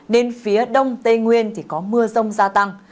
đến phía đông tây nguyên thì có mưa rông gia tăng